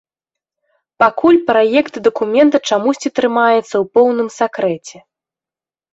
Пакуль праект дакумента чамусьці трымаецца ў поўным сакрэце.